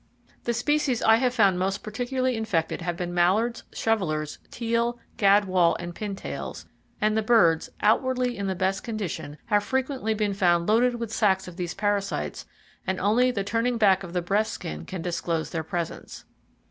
The species I have found most particularly infected have been mallards, shovellers, teal, gadwall and pintails, and the birds, outwardly in the best condition, have frequently been found loaded with sacs of these parasites and only the turning back of the breast skin can disclose their presence.